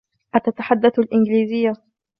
اتتحدث الانجليزية ؟